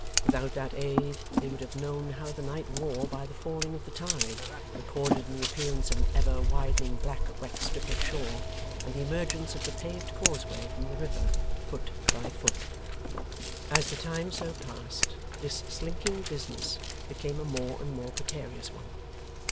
Without that aid they would have known how the night wore, by the falling of the tide, recorded in the appearance of an ever widening black wet strip of shore, and the emergence of the paved causeway from the river, foot by foot. As the time so passed, this slinking business became a more and more precarious one.